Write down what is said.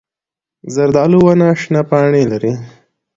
زردالو ونه شنه پاڼې لري.